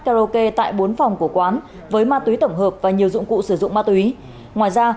karaoke tại bốn phòng của quán với ma túy tổng hợp và nhiều dụng cụ sử dụng ma túy ngoài ra